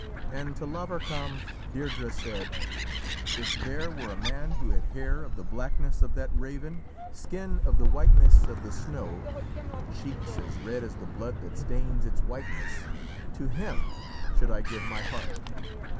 And to Lavarcam Deirdrê said: "If there were a man who had hair of the blackness of that raven, skin of the whiteness of the snow, and cheeks as red as the blood that stains its whiteness, to him should I give my heart."